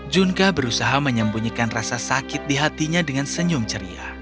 junka berusaha menyembunyikan rasa sakit di hatinya dengan senyum ceria